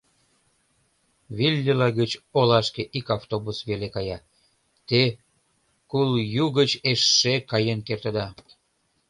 — Виллила гыч олашке ик автобус веле кая, те Кулйу гыч эше каен кертыда.